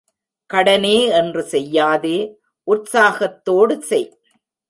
கடனே என்று செய்யாதே, உற்சாகத்தோடு செய்